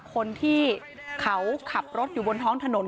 คนที่เขาขับรถอยู่บนท้องถนน